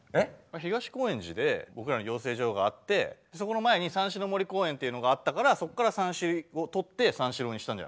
東高円寺で僕らの養成所があってそこの前に蚕糸の森公園っていうのがあったからそっから「さんし」をとって三四郎にしたんじゃない？